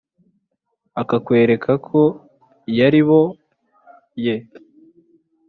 akakwereka ko yariboye